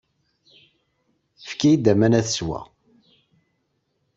Efk-iyi-d aman, ad sweɣ.